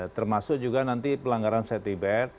termasuk juga nanti pelanggaran safety bed